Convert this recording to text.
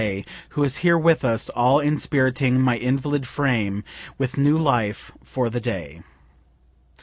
who is here with us all inspiriting my invalid frame with new life, for the day.